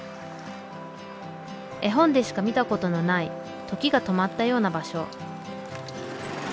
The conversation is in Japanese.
絵本でしか見たことのない時が止まったような場所。